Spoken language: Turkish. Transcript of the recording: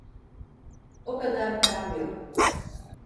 O kadar param yok.